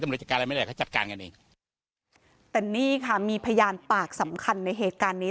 จัดการอะไรไม่ได้เขาจัดการกันเองแต่นี่ค่ะมีพยานปากสำคัญในเหตุการณ์นี้